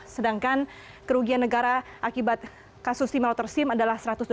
sedangkan kerugian negara akibat kasus simulator sim adalah